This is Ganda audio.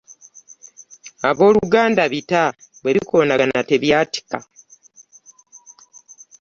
Ate ab'ebita, bwebikonagana tebyatika .